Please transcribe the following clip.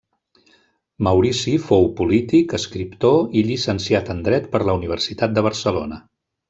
Maurici fou polític, escriptor i llicenciat en dret per la Universitat de Barcelona.